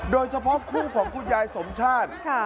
โดยเฉพาะคู่ของคุณยายสมชาติ